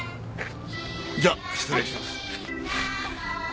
じゃあ失礼します。